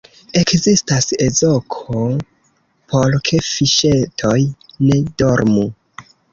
Ekzistas ezoko, por ke fiŝetoj ne dormu.